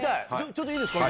ちょっといいですか？